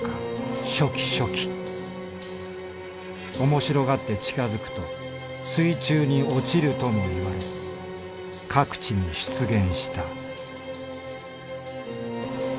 面白がって近づくと水中に落ちるともいわれ各地に出現した」。